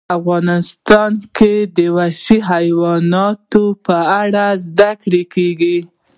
افغانستان کې د وحشي حیواناتو په اړه زده کړه کېږي.